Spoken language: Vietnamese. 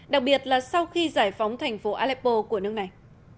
đặc biệt là sau khi giải phóng thành phố aleppo của nước này